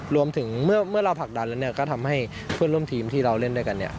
รวมถึงเมื่อเราผลักดันแล้วก็ทำให้เพื่อนร่วมทีมที่เราเล่นด้วยกันเนี่ย